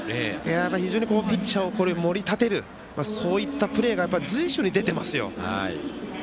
本当にピッチャーを盛り立てる、そういったプレーが随所に出てますよ。